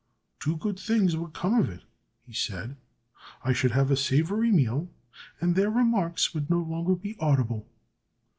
"Two good things would come of it," he said. "I should have a savoury meal, and their remarks would no longer be audible."